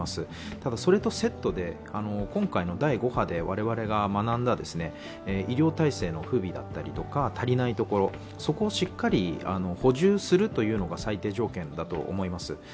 ただそれとセットで、今回の第５波で我々が学んだ、医療体制の不備だったりとか足りないところをしっかり補充するのが最低条件だと思います。